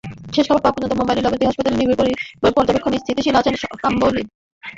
শেষ খবর পাওয়া পর্যন্ত মুম্বাইয়ের লীলাবতী হাসপাতালের নিবিড় পরিচর্যাকেন্দ্রে স্থিতিশীল আছেন কাম্বলি।